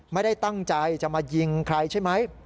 ไม่ได้ตั้งใจจะมายิงใครใช่ไหม